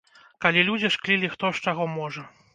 Калі людзі шклілі хто з чаго можа.